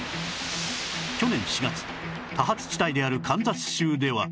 去年４月多発地帯であるカンザス州では